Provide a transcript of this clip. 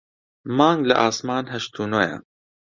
مانگ لە ئاسمان هەشت و نۆیە